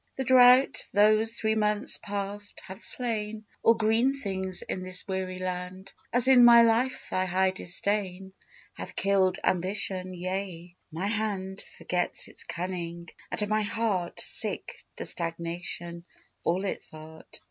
The drought, these three months past, hath slain All green things in this weary land, As in my life thy high disdain Hath killed ambition: yea, my hand Forgets its cunning; and my heart, Sick to stagnation, all its art.